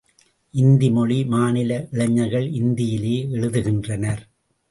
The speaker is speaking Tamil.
இந்தி மொழி மாநில இளைஞர்கள் இந்தியிலேயே எழுதுகின்றனர்.